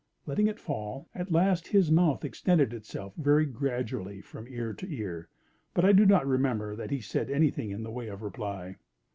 Letting it fall, at last, his mouth extended itself very gradually from ear to ear; but I do not remember that he said any thing in the way of reply.